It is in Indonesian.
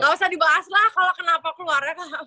gak usah dibahas lah kalo kenapa keluarnya kak panjang